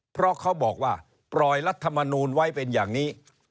เพราะเขาบอกว่าปล่อยรัฐมนูลไว้เป็นอย่างนี้